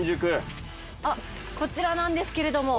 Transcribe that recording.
あっこちらなんですけれども。